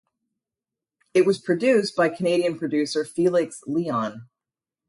It was produced by Canadian producer Felix Leone.